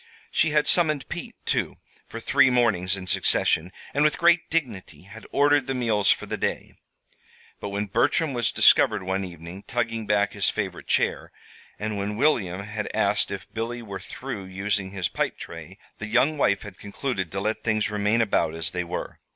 She had summoned Pete, too, for three mornings in succession, and with great dignity had ordered the meals for the day. But when Bertram was discovered one evening tugging back his favorite chair, and when William had asked if Billy were through using his pipe tray, the young wife had concluded to let things remain about as they were.